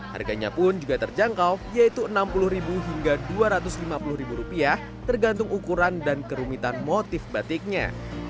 harganya pun juga terjangkau yaitu rp enam puluh hingga rp dua ratus lima puluh tergantung ukuran dan kerumitan motif batiknya